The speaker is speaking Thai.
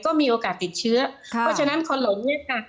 ก็มีโอกาสติดเชื้อเพราะฉะนั้นคนหลงเนี่ยค่ะ